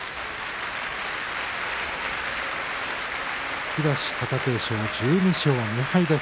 突き出し貴景勝１２勝２敗です。